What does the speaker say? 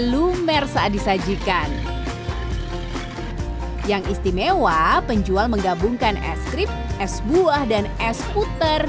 lumer saat disajikan yang istimewa penjual menggabungkan es krip es buah dan es puter